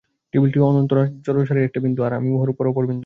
টেবিলটি অনন্ত জড়রাশির এক বিন্দু, আর আমি উহার অপর বিন্দু।